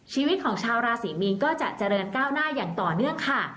ชีวิตของชาวราศรีมีนก็จะเจริญก้าวหน้าอย่างต่อเนื่องค่ะ